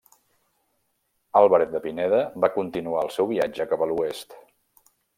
Álvarez de Pineda va continuar el seu viatge cap a l'oest.